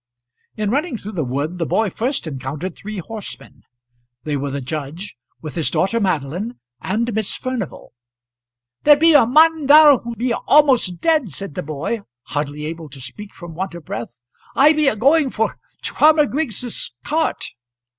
In running through the wood the boy first encountered three horsemen. They were the judge, with his daughter Madeline and Miss Furnival. "There be a mon there who be a'most dead," said the boy, hardly able to speak from want of breath. "I be agoing for Farmer Griggs' cart."